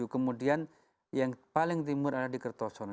kemudian yang paling timur adalah di kertosono